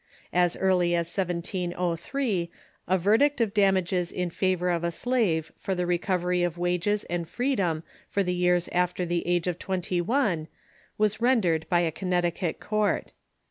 As early as 1703 a verdict of damages in favor of a slave for the recovery of wages and freedom for the years after the age of twenty one was ren dered by a Connecticut court.